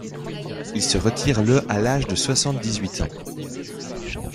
Il se retire le à l'âge de soixante-dix-huit ans.